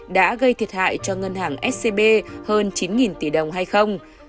đã gây thiệt hại cho ngân hàng scb hơn chín tỷ đồng hay không